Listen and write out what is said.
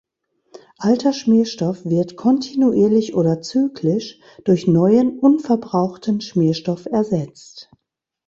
Alter Schmierstoff wird kontinuierlich oder zyklisch durch neuen, unverbrauchten Schmierstoff ersetzt.